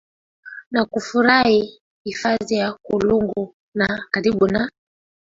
na kufurahia hifadhi ya kulungu na karibu na